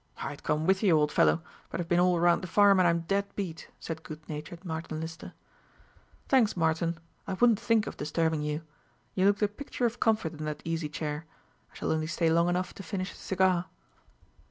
"I'd come with you, old fellow, but I've been all round the farm, and I'm dead beat," said good natured Martin Lister. "Thanks, Martin; I wouldn't think of disturbing you. You look the picture of comfort in that easy chair. I shall only stay long enough to finish a cigar."